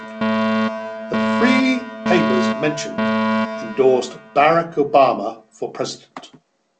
The three papers mentioned endorsed Barack Obama for president.